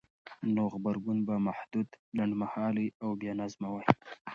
نو غبرګون به محدود، لنډمهالی او بېنظمه وای؛